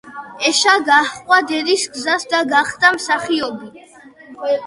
ეშა გაჰყვა დედის გზას და გახდა მსახიობი.